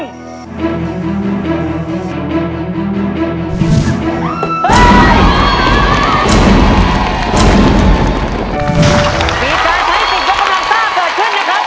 มีการใช้สิทธิ์ยกกำลังซ่าเกิดขึ้นนะครับ